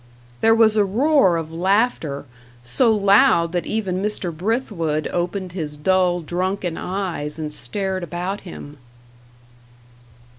There was a roar of laughter, so loud that even Mr. Brithwood opened his dull, drunken eyes and stared about him.